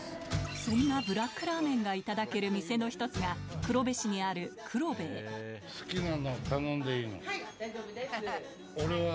そんなブラックラーメンがいただける店の１つが黒部市にあるくろべぇ俺は。